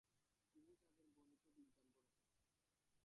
তিনি তাদের গণিত ও বিজ্ঞান পড়াতেন।